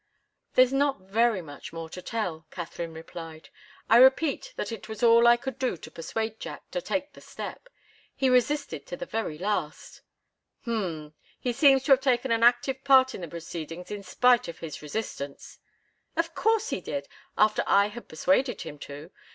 "There's not very much more to tell," Katharine replied. "I repeat that it was all I could do to persuade Jack to take the step. He resisted to the very last " "Hm! He seems to have taken an active part in the proceedings in spite of his resistance " "Of course he did, after I had persuaded him to.